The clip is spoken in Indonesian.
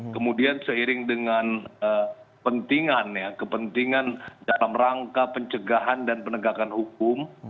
kemudian seiring dengan kepentingan dalam rangka pencegahan dan penegakan hukum